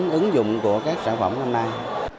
cái tính ứng dụng của các sản phẩm năm nay